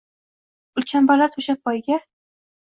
Gulchambarlar toʼshab poyiga